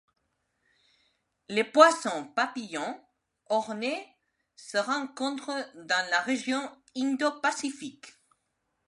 Le poisson-papillon orné se rencontre dans la région Indo-Pacifique.